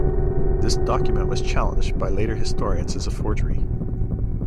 This document was challenged by later historians as a forgery.